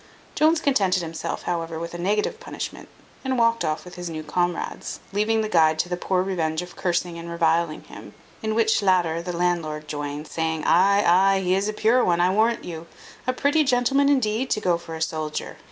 Jones contented himself however with a negative punishment, and walked off with his new comrades, leaving the guide to the poor revenge of cursing and reviling him; in which latter the landlord joined, saying, "Ay, ay, he is a pure one, I warrant you. A pretty gentleman, indeed, to go for a soldier!